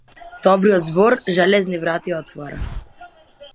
Добриот збор железни врати отвара.